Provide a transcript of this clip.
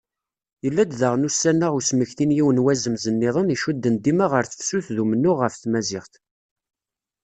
Yella-d diɣen ussan-a usmekti n yiwen wazemz nniḍen icudden dima ɣer tefsut d umennuɣ ɣef tmaziɣt.